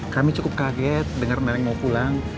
kami cukup kaget denger neneng mau pulang